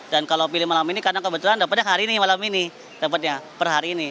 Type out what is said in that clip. dan kalau pilih malam ini karena kebetulan dapatnya hari ini malam ini dapatnya per hari ini